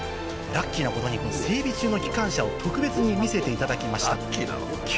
ラッキーなことに整備中の機関車を特別に見せていただきました。